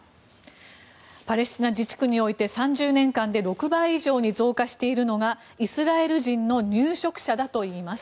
パレスチナ自治区において３０年間で６倍以上に増加しているのがイスラエル人の入植者だといいます。